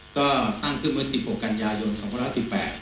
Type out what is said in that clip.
ก็ตั้งคือมศ๑๖กัญญายนต์๒๑๘